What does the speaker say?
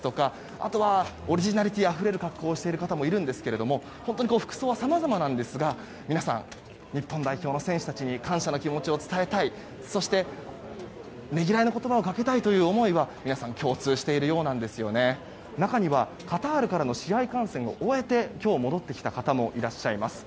あとは、オリジナリティーあふれる格好をしている人もいるんですけれども本当に服装はさまざまなんですが皆さん、日本代表の選手たちに感謝の気持ちを伝えたいそして、ねぎらいの言葉をかけたという思いは皆さん共通しているようなんですよね。中にはカタールからの試合観戦を終えて今日戻ってきた方もいます。